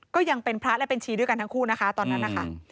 ก็ยังเป็นพระและเป็นชีด้วยกันทั้งคู่นะคะตอนนั้นนะคะ